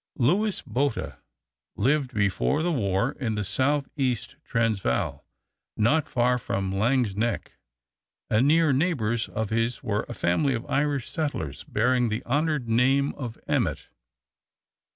Louis Botha lived before the war in the southeast Transvaal, not far from Laings Nek, and near neighbors of his were a family of Irish settlers bearing the honored name of Emmet.